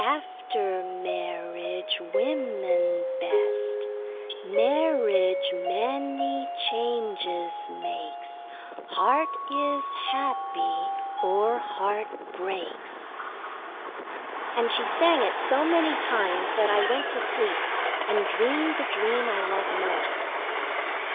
After marriage, women best. Marriage many changes makes Heart is happy or heart breaks." And she sang it so many times that I went to sleep and dreamed the dream I love most.